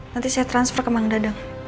nanti saya transfer ke mandadang